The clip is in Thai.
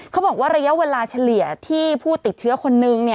เขาบอกว่าระยะเวลาเฉลี่ยที่ผู้ติดเชื้อคนนึง